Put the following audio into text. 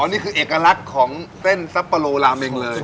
นี่คือเอกลักษณ์ของเส้นซับปะโลราเมงเลย